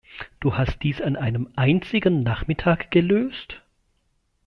Du hast dies an einem einzigen Nachmittag gelöst?